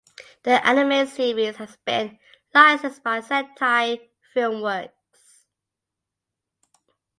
The anime series has been licensed by Sentai Filmworks.